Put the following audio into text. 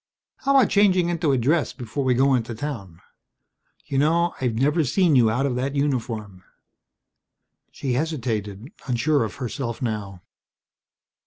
How about changing into a dress before we go into town. You know, I've never seen you out of that uniform?" She hesitated, unsure of herself now.